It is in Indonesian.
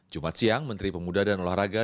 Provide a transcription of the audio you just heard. jumat siang menteri pemuda dan olahraga